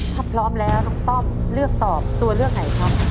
ถ้าพร้อมแล้วน้องต้อมเลือกตอบตัวเลือกไหนครับ